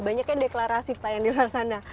banyaknya deklarasi pak yang di luar sana